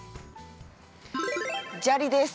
◆砂利です。